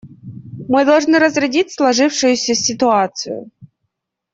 Мы должны разрядить сложившуюся ситуацию.